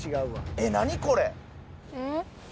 え何これ？